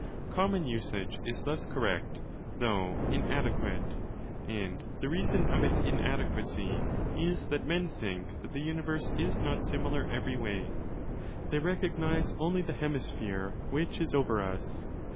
Common usage is thus correct,! though inadequate. And the reason 25 of its inadequacy is that men think that the universe is not similar every way. They recognize only the hemisphere which is over us.